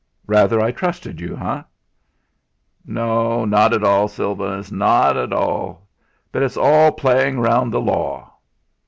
"Rather I trusted you, eh!" "No, not at all, Sylvanus, not at all. But it's all playing round the law."